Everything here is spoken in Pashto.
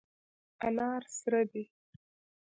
انار سره دي.